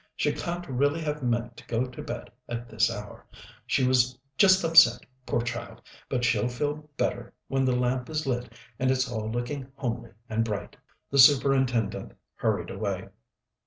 She can't really have meant to go to bed at this hour. She was just upset, poor child, but she'll feel better when the lamp is lit and it's all looking homely and bright." The Superintendent hurried away.